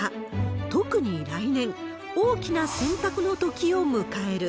特に来年、大きな選択の時を迎える。